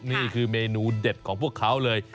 นี่คือเมนูเด็ดของพวกเขาเลย